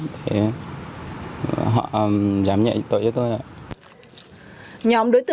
để họ giám nhận tội cho tôi